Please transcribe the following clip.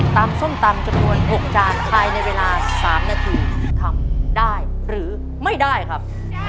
ส้มตำจำนวน๖จานภายในเวลา๓นาทีทำได้หรือไม่ได้ครับ